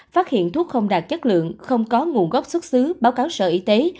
phát hiện thuốc không đạt chất lượng không có nguồn gốc xuất xứ báo cáo sở y tế